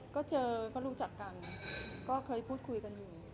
ก็เจอก็รู้จักกันก็เคยพูดคุยกันอยู่